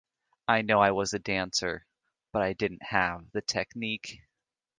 I know I was a dancer, but I didn't have the technique.